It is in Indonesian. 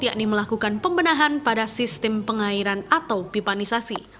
yakni melakukan pembenahan pada sistem pengairan atau pipanisasi